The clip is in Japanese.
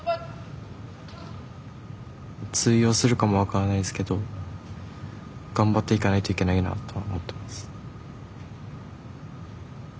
通用するかも分からないですけど頑張っていかないといけないなとは思ってます。